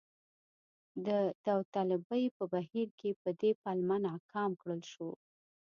د داوطلبۍ په بهیر کې په دې پلمه ناکام کړل شو.